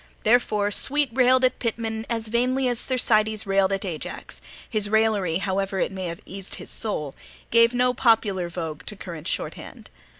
Therefore, Sweet railed at Pitman as vainly as Thersites railed at Ajax: his raillery, however it may have eased his soul, gave no popular vogue to Current Shorthand.